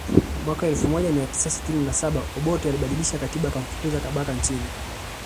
Mwaka elfu moja mia tisa sitini na saba Obote alibadilisha katiba akamfukuza Kabaka nchini